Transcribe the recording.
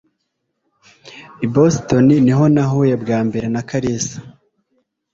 i boston niho nahuye bwa mbere na kalisa